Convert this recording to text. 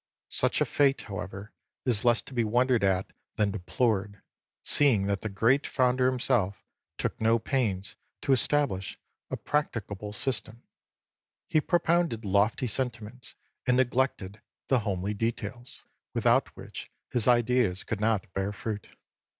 Such a fate, how ever, is less to be wondered at than deplored, seeing that the great Founder himself took no pains tc establish a practicable system. He propounded lofty sentiments, and neglected the homely details without which his ideas could not bear fruit.